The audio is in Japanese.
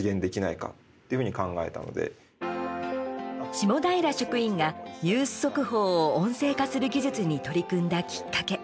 下平職員がニュース速報を音声化する技術に取り組んだきっかけ。